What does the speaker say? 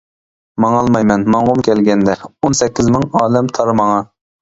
ماڭالمايمەن ماڭغۇم كەلگەندە، ئون سەككىز مىڭ ئالەم تار ماڭا.